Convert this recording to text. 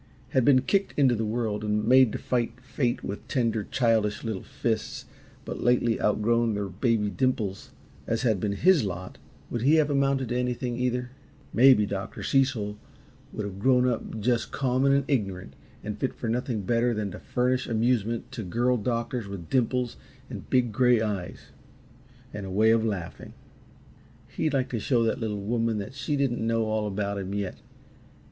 had been kicked into the world and made to fight fate with tender, childish little fists but lately outgrown their baby dimples, as had been HIS lot, would he have amounted to anything, either? Maybe Dr. Cecil would have grown up just common and ignorant and fit for nothing better than to furnish amusement to girl doctors with dimples and big, gray eyes and a way of laughing. He'd like to show that little woman that she didn't know all about him yet.